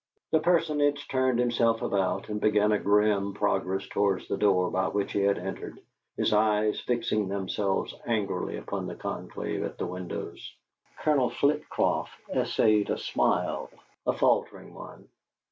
The personage turned himself about and began a grim progress towards the door by which he had entered, his eyes fixing themselves angrily upon the conclave at the windows. Colonel Flitcroft essayed a smile, a faltering one.